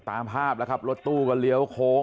ตามภาพแล้วครับรถตู้ก็เลี้ยวโค้ง